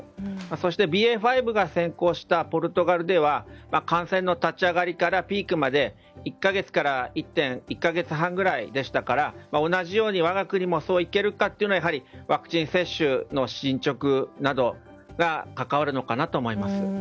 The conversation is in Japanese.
そしてＢＡ．５が先行したポルトガルでは感染者の立ち上がりからピークまで、１か月から１か月半くらいでしたから同じように我が国も、そういけるかというのはやはりワクチン接種の進捗などが関わるのかなと思います。